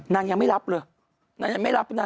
นางยังไม่รับเลยนางยังไม่รับนาง